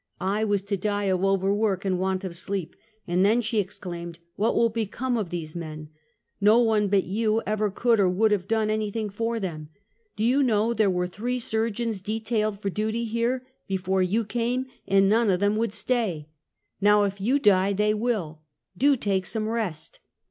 I was to die of overwork and want of sleep, "and then," she exclaimed, "what will be come of these men? ISTo one but you ever could or would have done anj^thing for them. Do you know there were three surgeons detailed for duty here, be fore you came, and none of them would stay ? IS'ow if you die, they will. Do take some rest!"